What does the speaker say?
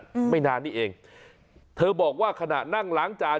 อืมไม่นานนี่เองเธอบอกว่าขณะนั่งล้างจาน